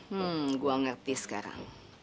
hmm gue ngerti sekarang